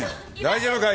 大丈夫か？